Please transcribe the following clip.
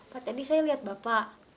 pak tadi saya lihat bapak